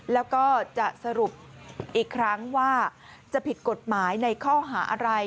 แล้วก็จะสรุปอีกครั้งว่าจะผิดกฎหมายในข้อหาอะไร